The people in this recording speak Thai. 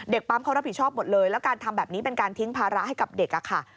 ปั๊มเขารับผิดชอบหมดเลยแล้วการทำแบบนี้เป็นการทิ้งภาระให้กับเด็กค่ะ